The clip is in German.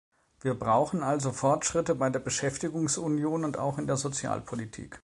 Wir brauchen also Fortschritte bei der Beschäftigungsunion und auch in der Sozialpolitik.